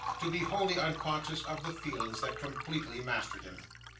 to be wholly unconscious of the feelings that completely mastered him.